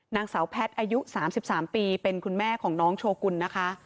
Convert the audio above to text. นางสาวแพทย์อายุ๓๓ปีเป็นคุณแม่ของน้องโชกุลนะคะ